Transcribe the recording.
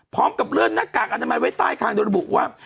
พร้อมกับเลื่อนหน้ากากอนามัยไว้ใต้คางโดยระบุว่า